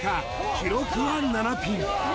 記録は７ピン